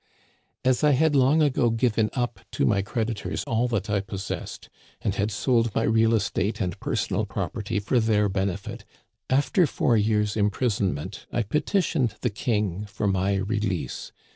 " As I had long ago given up to my creditors all that I possessed, and had sold my real estate and per sonal property for their benefit, after four years' im prisonment I petitioned the King for my release.